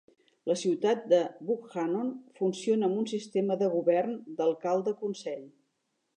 La ciutat de Buckhannon funciona amb un sistema de govern d'alcalde-consell.